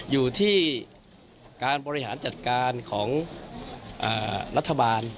อยู่ที่การบริหารจัดการของรัฐบาล